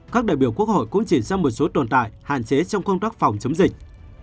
các đại biểu quốc hội cũng chỉ ra một số tồn tại hạn chế trong công tác phòng chống dịch